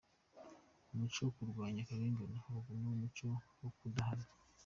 Umuco wo kurwanya akarengane, urugomo, umuco wo kudahana.